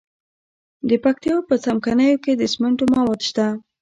د پکتیا په څمکنیو کې د سمنټو مواد شته.